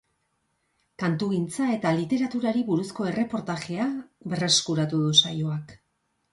Kantugintza eta literaturari buruzko erreportajea berreskuratu du saioak.